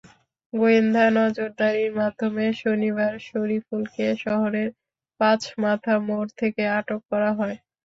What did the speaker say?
গোয়েন্দা নজরদারির মাধ্যমে শনিবার শরীফুলকে শহরের পাঁচমাথা মোড় থেকে আটক করা হয়।